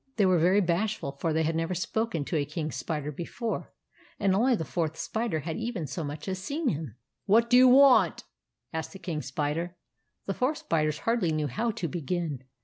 They were very bashful, for they had never spoken to a King Spider before, and only the Fourth Spider had even so much as seen him. " What do you want ?" asked the King Spider. The four spiders hardly knew how to begin.